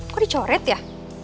kok dicoret ya